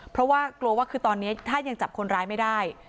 เพราะว่ากลัวว่าคือตอนนี้ถ้ายังจับคนร้ายไม่ได้